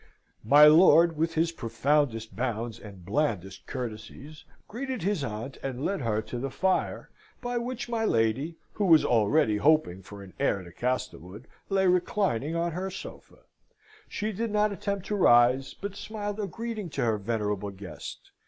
My lord, with his profoundest bows and blandest courtesies, greeted his aunt and led her to the fire, by which my lady (who was already hoping for an heir to Castlewood) lay reclining on her sofa. She did not attempt to rise, but smiled a greeting to her venerable guest.